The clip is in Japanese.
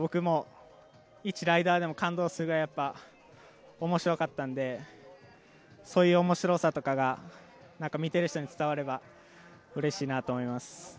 ＢＭＸは女子とか見ていても僕も、いちライダーでも感動する、面白かったのでそういう面白さとかが見ている人に伝わればうれしいなと思います。